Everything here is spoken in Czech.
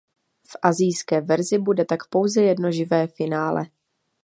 V asijské verzi bude tak pouze jedno živé finále.